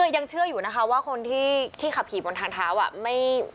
ยังเชื่ออยู่นะคะว่าคนที่ขับขี่บนทางเท้า